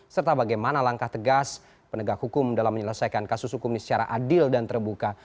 serta bagaimana langkah tegas penegak hukum dalam menyelesaikan kasus hukum ini secara adil dan terbuka